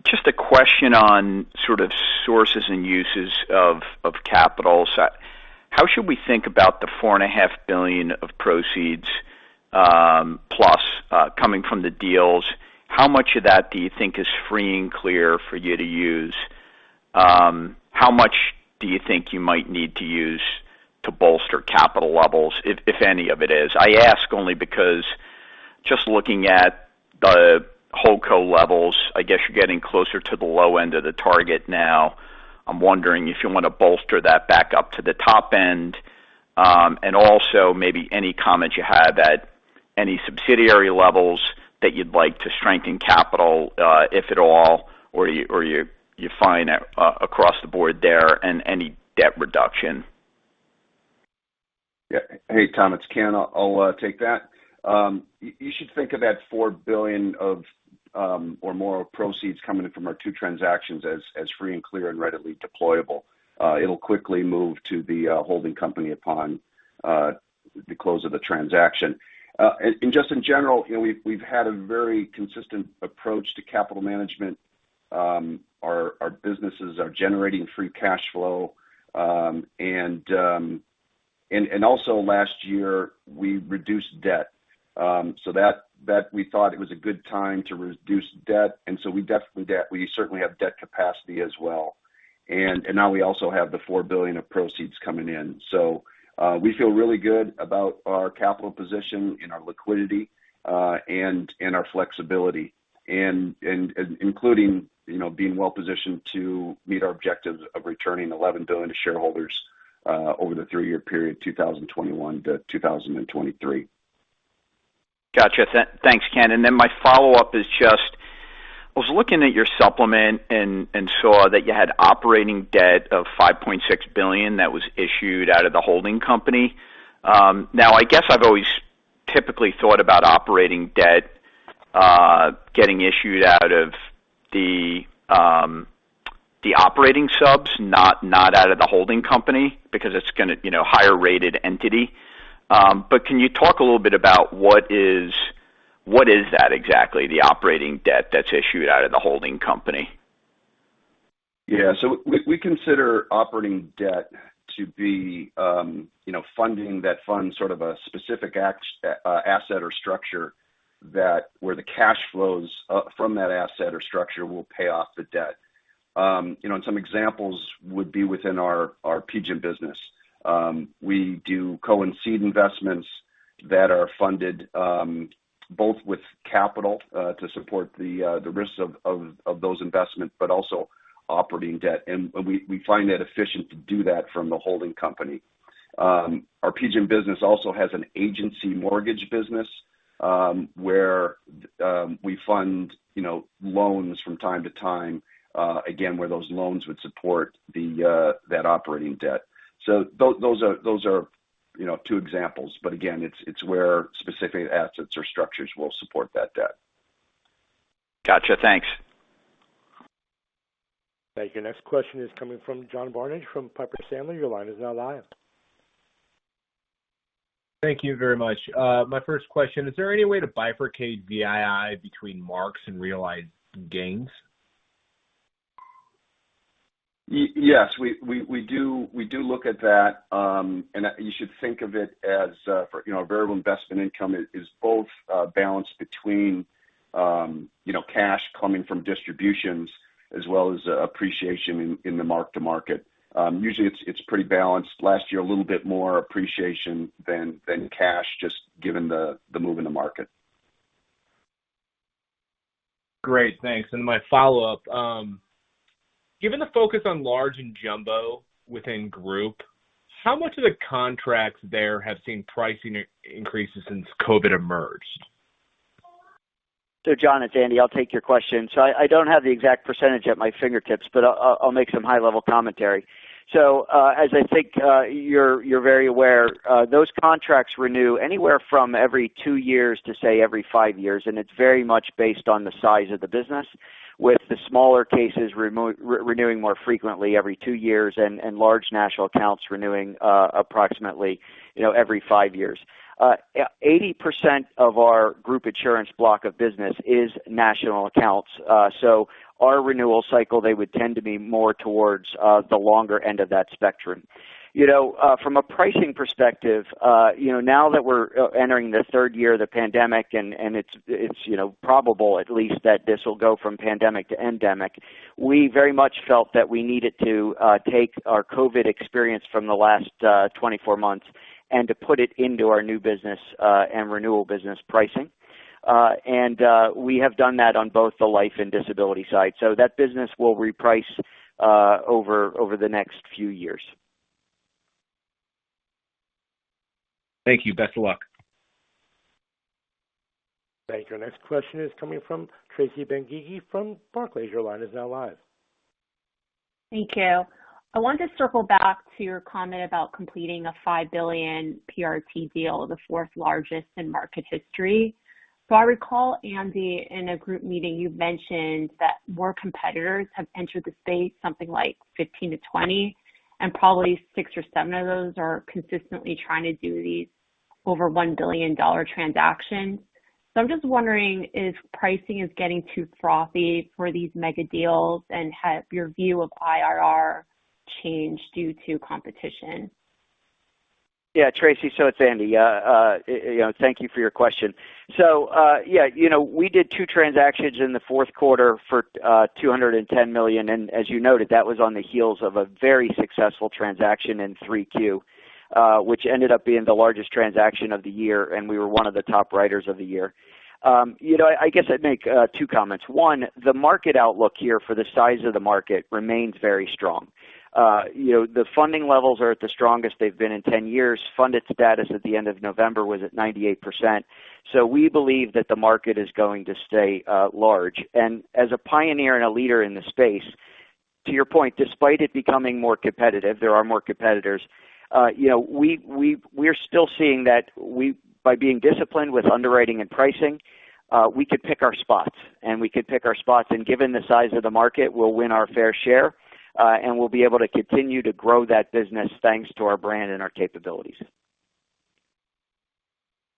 Just a question on sort of sources and uses of capital. How should we think about the $4.5 billion of proceeds plus coming from the deals? How much of that do you think is free and clear for you to use? How much do you think you might need to use to bolster capital levels, if any of it is? I ask only because just looking at the HoldCo levels, I guess you're getting closer to the low end of the target now. I'm wondering if you want to bolster that back up to the top end. Also maybe any comment you have at any subsidiary levels that you'd like to strengthen capital, if at all, or you find across the board there and any debt reduction. Hey, Tom, it's Ken. I'll take that. You should think of that $4 billion or more of proceeds coming in from our two transactions as free and clear and readily deployable. It'll quickly move to the holding company upon the close of the transaction. Just in general, you know, we've had a very consistent approach to capital management. Our businesses are generating free cash flow. Also last year we reduced debt so that we thought it was a good time to reduce debt, and we certainly have debt capacity as well. Now we also have the $4 billion of proceeds coming in. We feel really good about our capital position and our liquidity, and our flexibility and including, you know, being well positioned to meet our objectives of returning $11 billion to shareholders over the three-year period, 2021-2023. Gotcha. Thanks, Ken. My follow-up is just, I was looking at your supplement and saw that you had operating debt of $5.6 billion that was issued out of the holding company. Now I guess I've always typically thought about operating debt getting issued out of the operating subs, not out of the holding company because it's gonna, you know, higher rated entity. Can you talk a little bit about what is that exactly, the operating debt that's issued out of the holding company? Yeah. We consider operating debt to be, you know, funding that funds sort of a specific asset or structure that, where the cash flows from that asset or structure will pay off the debt. You know, some examples would be within our PGIM business. We do co-investments that are funded both with capital to support the risks of those investments, but also operating debt. We find that efficient to do that from the holding company. Our PGIM business also has an agency mortgage business, where we fund, you know, loans from time to time, again, where those loans would support that operating debt. Those are, you know, two examples, but again, it's where specific assets or structures will support that debt. Gotcha. Thanks. Thank you. Next question is coming from John Barnidge from Piper Sandler. Your line is now live. Thank you very much. My first question, is there any way to bifurcate VII between marks and realized gains? Yes. We do look at that. You should think of it as, you know, our variable investment income is both balanced between, you know, cash coming from distributions as well as appreciation in the mark-to-market. Usually it's pretty balanced. Last year, a little bit more appreciation than cash, just given the move in the market. Great. Thanks. My follow-up. Given the focus on large and jumbo within group, how much of the contracts there have seen pricing increases since COVID emerged? John, it's Andy. I'll take your question. I don't have the exact percentage at my fingertips, but I'll make some high-level commentary. As I think, you're very aware, those contracts renew anywhere from every two years to say every five years, and it's very much based on the size of the business, with the smaller cases renewing more frequently every two years and large national accounts renewing, approximately, you know, every five years. 80% of our group insurance block of business is national accounts. Our renewal cycle, they would tend to be more towards the longer end of that spectrum. You know, from a pricing perspective, you know, now that we're entering the third year of the pandemic and it's probable at least that this will go from pandemic to endemic, we very much felt that we needed to take our COVID experience from the last 24 months and to put it into our new business and renewal business pricing. We have done that on both the life and disability side. That business will reprice over the next few years. Thank you. Best of luck. Thank you. Next question is coming from Tracy Benguigui from Barclays. Your line is now live. Thank you. I want to circle back to your comment about completing a $5 billion PRT deal, the fourth largest in market history. I recall, Andy, in a group meeting, you mentioned that more competitors have entered the space, something like 15-20, and probably six or seven of those are consistently trying to do these over $1 billion transactions. I'm just wondering if pricing is getting too frothy for these mega deals, and has your view of IRR changed due to competition? Tracy, it's Andy. You know, thank you for your question. You know, we did two transactions in the fourth quarter for $210 million. As you noted, that was on the heels of a very successful transaction in 3Q, which ended up being the largest transaction of the year, and we were one of the top writers of the year. You know, I guess I'd make two comments. One, the market outlook here for the size of the market remains very strong. You know, the funding levels are at the strongest they've been in 10 years. Funded status at the end of November was at 98%. We believe that the market is going to stay large. As a pioneer and a leader in this space, to your point, despite it becoming more competitive, there are more competitors, you know, we're still seeing that by being disciplined with underwriting and pricing, we could pick our spots, and given the size of the market, we'll win our fair share, and we'll be able to continue to grow that business thanks to our brand and our capabilities.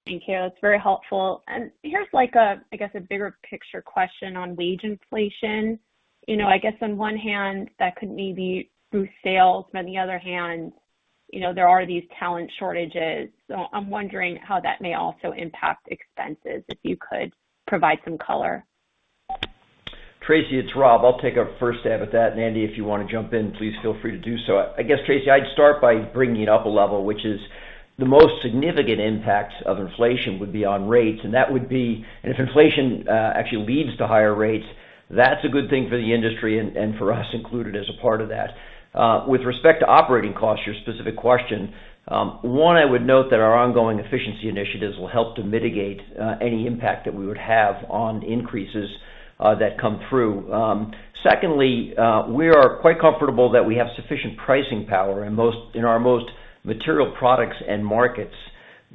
Thank you. That's very helpful. Here's like a, I guess, a bigger picture question on wage inflation. You know, I guess on one hand that could maybe boost sales, but on the other hand, you know, there are these talent shortages. I'm wondering how that may also impact expenses, if you could provide some color. Tracy, it's Rob. I'll take a first stab at that. Andy, if you want to jump in, please feel free to do so. I guess, Tracy, I'd start by bringing it up a level, which is the most significant impacts of inflation would be on rates. That would be if inflation actually leads to higher rates, that's a good thing for the industry and for us included as a part of that. With respect to operating costs, your specific question, one, I would note that our ongoing efficiency initiatives will help to mitigate any impact that we would have on increases that come through. Secondly, we are quite comfortable that we have sufficient pricing power in our most material products and markets,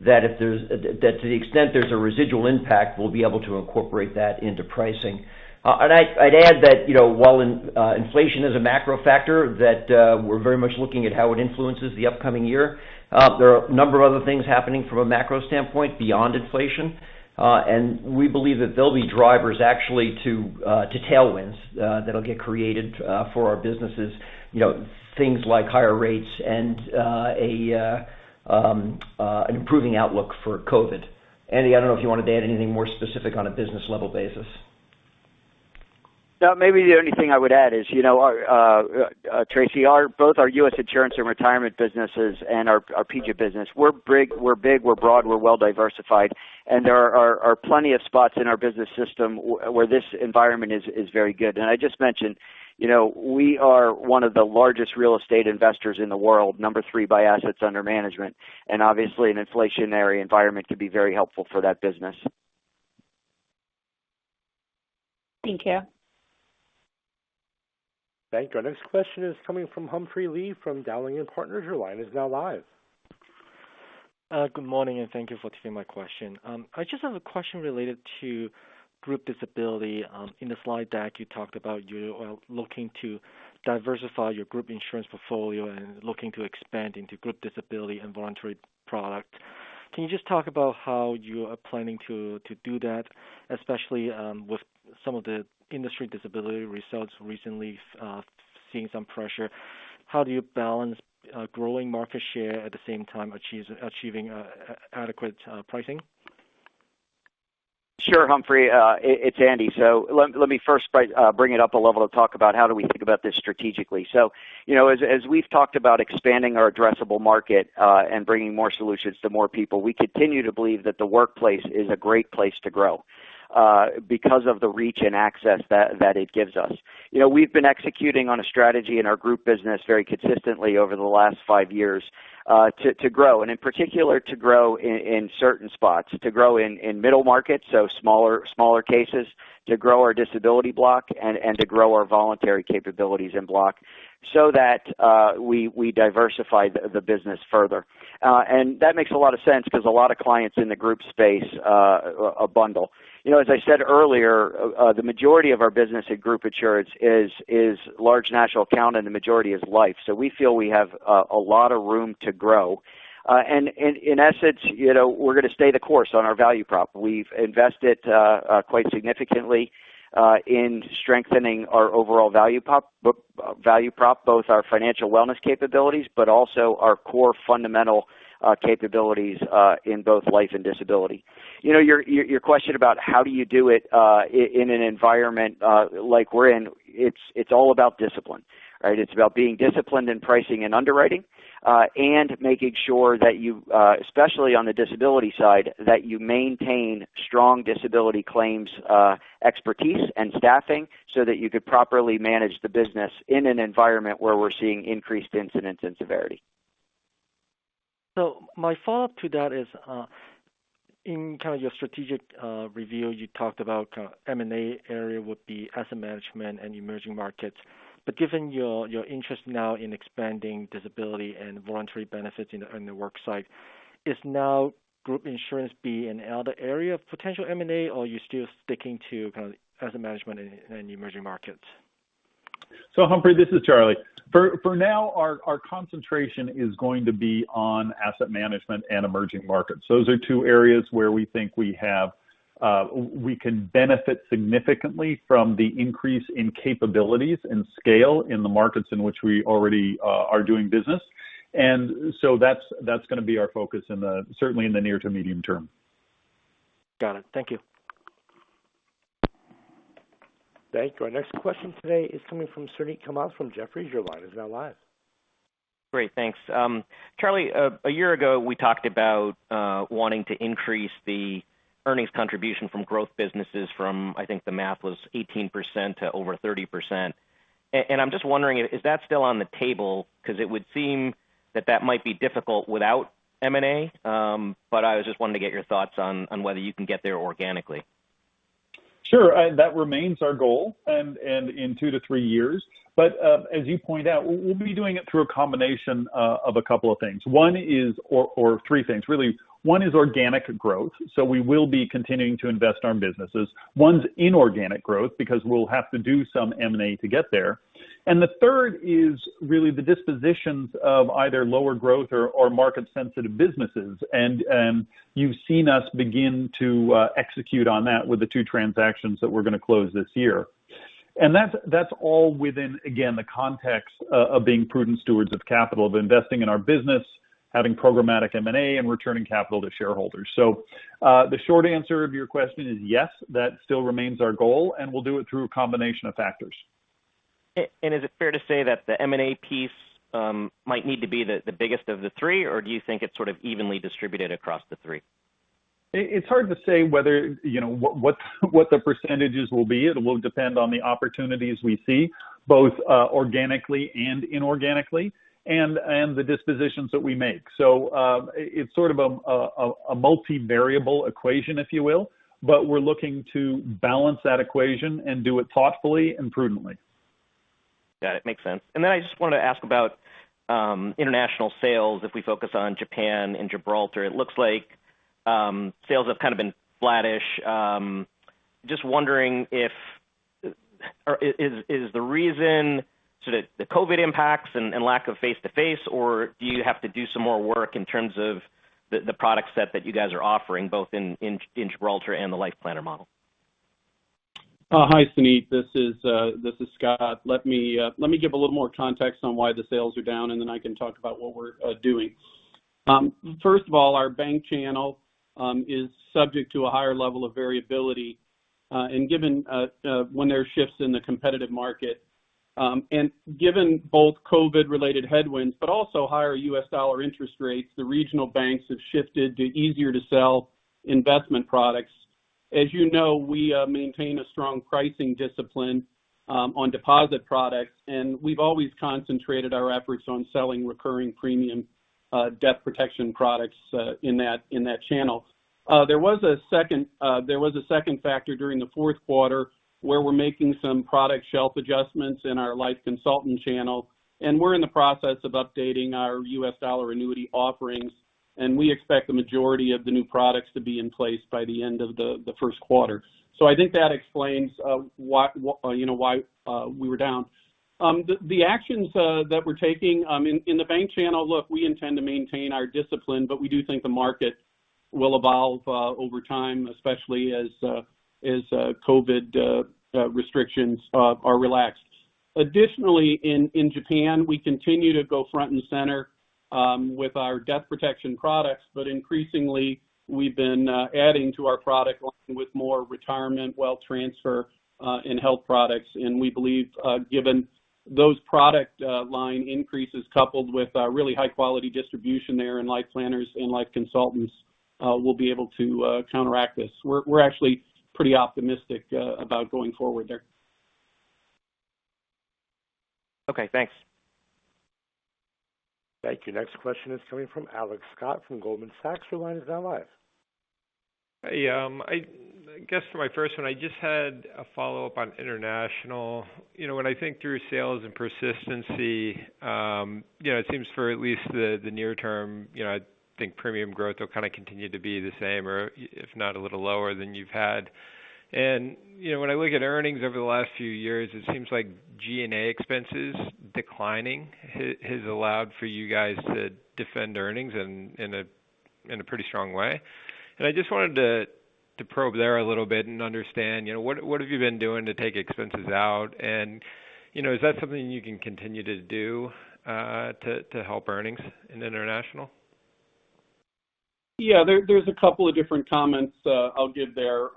that if there's to the extent there's a residual impact, we'll be able to incorporate that into pricing. I'd add that, you know, while inflation is a macro factor that we're very much looking at how it influences the upcoming year, there are a number of other things happening from a macro standpoint beyond inflation. We believe that they'll be drivers actually to tailwinds that'll get created for our businesses, you know, things like higher rates and an improving outlook for COVID. Andy, I don't know if you want to add anything more specific on a business level basis. No, maybe the only thing I would add is, you know, Tracy, our both our U.S. insurance and retirement businesses and our PGIM business, we're big, we're broad, we're well diversified, and there are plenty of spots in our business system where this environment is very good. I just mentioned, you know, we are one of the largest real estate investors in the world, number three by assets under management. Obviously an inflationary environment can be very helpful for that business. Thank you. Thank you. Our next question is coming from Humphrey Lee, from Dowling & Partners. Your line is now live. Good morning, and thank you for taking my question. I just have a question related to group disability. In the slide deck, you talked about you are looking to diversify your group insurance portfolio and looking to expand into group disability and voluntary product. Can you just talk about how you are planning to do that, especially, with some of the industry disability results recently, seeing some pressure? How do you balance, growing market share at the same time achieving, adequate, pricing? Sure, Humphrey. It's Andy. Let me first bring it up a level to talk about how do we think about this strategically. You know, as we've talked about expanding our addressable market and bringing more solutions to more people, we continue to believe that the workplace is a great place to grow because of the reach and access that it gives us. You know, we've been executing on a strategy in our group business very consistently over the last five years to grow, and in particular, to grow in certain spots, to grow in middle markets, so smaller cases, to grow our disability block and to grow our voluntary capabilities in block so that we diversify the business further. That makes a lot of sense because a lot of clients in the group space bundle. You know, as I said earlier, the majority of our business at group insurance is large national account, and the majority is life. We feel we have a lot of room to grow. In essence, you know, we're going to stay the course on our value prop. We've invested quite significantly in strengthening our overall value prop, both our financial wellness capabilities, but also our core fundamental capabilities in both life and disability. You know, your question about how do you do it in an environment like we're in, it's all about discipline, right? It's about being disciplined in pricing and underwriting, and making sure that you, especially on the disability side, that you maintain strong disability claims, expertise and staffing so that you could properly manage the business in an environment where we're seeing increased incidence and severity. My follow-up to that is, in kind of your strategic review, you talked about M&A areas would be asset management and emerging markets. Given your interest now in expanding disability and voluntary benefits in the worksite, is group insurance now another area of potential M&A, or are you still sticking to kind of asset management and emerging markets? Humphrey, this is Charlie. For now, our concentration is going to be on asset management and emerging markets. Those are two areas where we think we can benefit significantly from the increase in capabilities and scale in the markets in which we already are doing business. That's going to be our focus, certainly in the near to medium term. Got it. Thank you. Thank you. Our next question today is coming from Suneet Kamath from Jefferies. Your line is now live. Great. Thanks. Charlie, a year ago, we talked about wanting to increase the earnings contribution from growth businesses from, I think the math was 18% to over 30%. I'm just wondering, is that still on the table? 'Cause it would seem that that might be difficult without M&A. I was just wanting to get your thoughts on whether you can get there organically. Sure. That remains our goal and in two to three years. As you point out, we'll be doing it through a combination of a couple of things. Or three things, really. One is organic growth, so we will be continuing to invest in our businesses. One is inorganic growth because we'll have to do some M&A to get there. The third is really the dispositions of either lower growth or market sensitive businesses. You've seen us begin to execute on that with the two transactions that we're gonna close this year. That's all within, again, the context of being prudent stewards of capital, of investing in our business, having programmatic M&A, and returning capital to shareholders. The short answer of your question is yes, that still remains our goal, and we'll do it through a combination of factors. Is it fair to say that the M&A piece might need to be the biggest of the three, or do you think it's sort of evenly distributed across the three? It's hard to say whether, you know, what the percentages will be. It will depend on the opportunities we see, both organically and inorganically and the dispositions that we make. It's sort of a multivariable equation, if you will, but we're looking to balance that equation and do it thoughtfully and prudently. Got it. Makes sense. I just wanted to ask about international sales, if we focus on Japan and Gibraltar. It looks like sales have kind of been flattish. Just wondering if or is the reason sort of the COVID impacts and lack of face-to-face or do you have to do some more work in terms of the product set that you guys are offering both in Gibraltar and the Life Planner model? Hi, Suneet. This is Scott. Let me give a little more context on why the sales are down, and then I can talk about what we're doing. First of all, our bank channel is subject to a higher level of variability and given when there are shifts in the competitive market and given both COVID-related headwinds but also higher U.S. dollar interest rates, the regional banks have shifted to easier-to-sell investment products. As you know, we maintain a strong pricing discipline on deposit products, and we've always concentrated our efforts on selling recurring premium debt protection products in that channel. There was a second factor during the fourth quarter where we're making some product shelf adjustments in our Life Consultant channel, and we're in the process of updating our U.S. dollar annuity offerings, and we expect the majority of the new products to be in place by the end of the first quarter. I think that explains why, you know, why we were down. The actions that we're taking in the bank channel, look, we intend to maintain our discipline, but we do think the market will evolve over time, especially as COVID restrictions are relaxed. Additionally, in Japan, we continue to go front and center with our debt protection products, but increasingly, we've been adding to our product line with more retirement, wealth transfer, and health products. We believe, given those product line increases coupled with really high-quality distribution there in Life Planners and Life Consultants, we'll be able to counteract this. We're actually pretty optimistic about going forward there. Okay, thanks. Thank you. Next question is coming from Alex Scott from Goldman Sachs. Your line is now live. Hey. I guess for my first one, I just had a follow-up on international. You know, when I think through sales and persistency, you know, it seems for at least the near term, you know, I think premium growth will kind of continue to be the same or if not a little lower than you've had. You know, when I look at earnings over the last few years, it seems like G&A expenses declining has allowed for you guys to defend earnings in a pretty strong way. I just wanted to probe there a little bit and understand, you know, what have you been doing to take expenses out? You know, is that something you can continue to do to help earnings in international? Yeah. There's a couple of different comments I'll give there.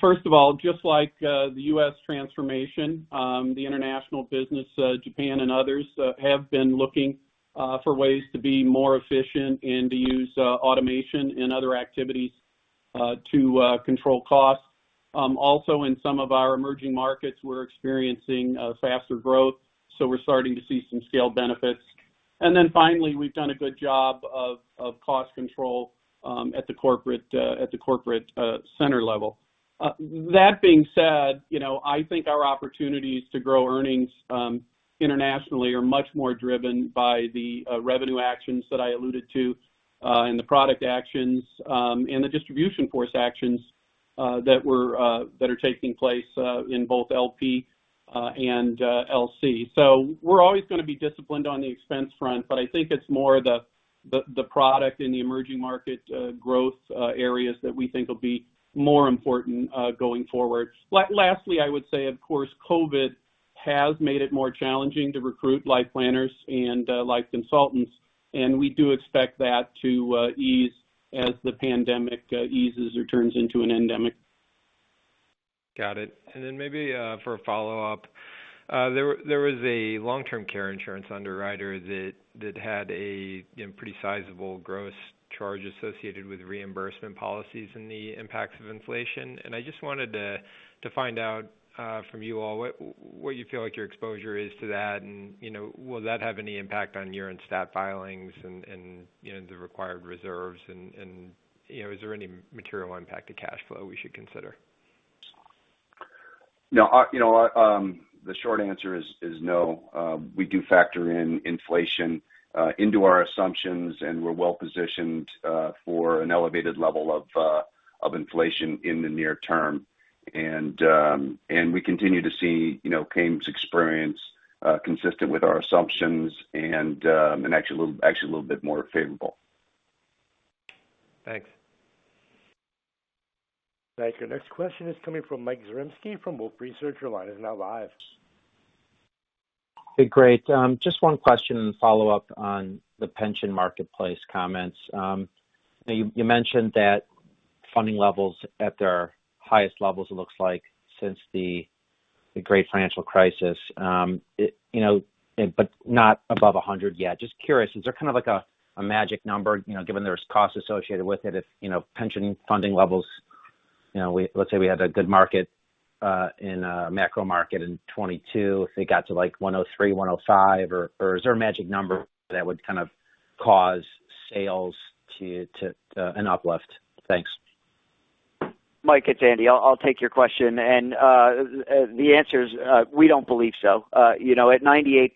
First of all, just like the U.S. transformation, the international business, Japan and others, have been looking for ways to be more efficient and to use automation and other activities to control costs. Also in some of our emerging markets, we're experiencing faster growth, so we're starting to see some scale benefits. Finally, we've done a good job of cost control at the corporate center level. That being said, you know, I think our opportunities to grow earnings internationally are much more driven by the revenue actions that I alluded to and the product actions and the distribution force actions that are taking place in both LP and LC. We're always gonna be disciplined on the expense front, but I think it's more the product and the emerging market growth areas that we think will be more important going forward. Lastly, I would say, of course, COVID. Has made it more challenging to recruit Life Planners and Life Consultants. We do expect that to ease as the pandemic eases or turns into an endemic. Got it. Maybe for a follow-up, there was a long-term care insurance underwriter that had a you know pretty sizable gross charge associated with reimbursement policies and the impacts of inflation. I just wanted to find out from you all what you feel like your exposure is to that and you know will that have any impact on your stat filings and you know the required reserves and you know is there any material impact to cash flow we should consider? No. You know, the short answer is no. We do factor in inflation into our assumptions, and we're well-positioned for an elevated level of inflation in the near term. We continue to see claims experience consistent with our assumptions and actually a little bit more favorable. Thanks. Thank you. Next question is coming from Michael Zaremski from Wolfe Research. Your line is now live. Hey, great. Just one question to follow up on the pension marketplace comments. You mentioned that funding levels at their highest levels, it looks like since the great financial crisis. You know, but not above 100 yet. Just curious, is there kind of like a magic number, you know, given there's costs associated with it, if you know, pension funding levels, you know, let's say we had a good market in a macro market in 2022, if it got to like 103, 105 or, is there a magic number that would kind of cause sales to an uplift? Thanks. Mike, it's Andy. I'll take your question. The answer is, we don't believe so. You know, at 98%,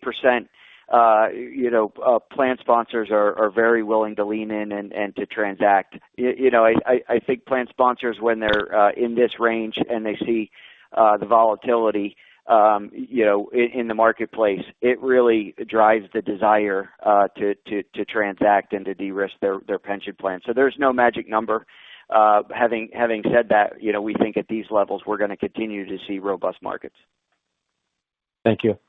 you know, plan sponsors are very willing to lean in and to transact. You know, I think plan sponsors when they're in this range and they see the volatility in the marketplace, it really drives the desire to transact and to de-risk their pension plan. There's no magic number. Having said that, you know, we think at these levels, we're gonna continue to see robust markets. Thank you.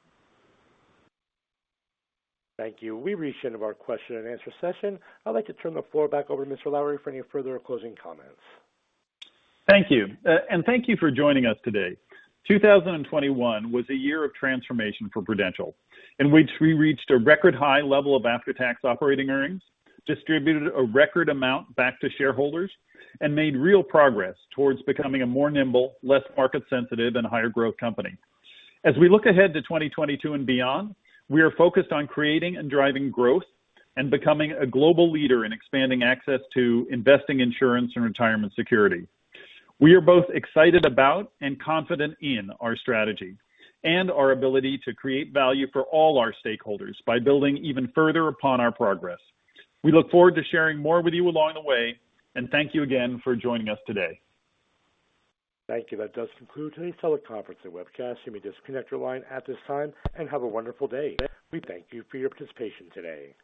Thank you. We've reached the end of our question and answer session. I'd like to turn the floor back over to Mr. Lowrey for any further closing comments. Thank you. And thank you for joining us today. 2021 was a year of transformation for Prudential, in which we reached a record high level of after-tax operating earnings, distributed a record amount back to shareholders, and made real progress towards becoming a more nimble, less market sensitive, and higher growth company. As we look ahead to 2022 and beyond, we are focused on creating and driving growth and becoming a global leader in expanding access to investing insurance and retirement security. We are both excited about and confident in our strategy and our ability to create value for all our stakeholders by building even further upon our progress. We look forward to sharing more with you along the way, and thank you again for joining us today. Thank you. That does conclude today's teleconference and webcast. You may disconnect your line at this time, and have a wonderful day. We thank you for your participation today.